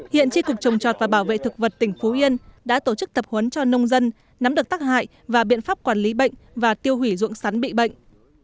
hiện tri cục trồng chọt và bảo vệ thực vật tỉnh phú yên đã tổ chức tập huấn cho nông dân nắm được tác hại và biện pháp quản lý bệnh và tiêu hủy dụng sắn bị bệnh